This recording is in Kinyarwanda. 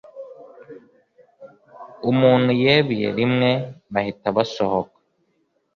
umuntu yebiye rimwe bahita basohoka